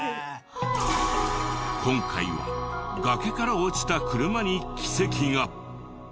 今回は崖から落ちた車に奇跡が。